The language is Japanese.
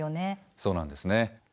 そうなんですね。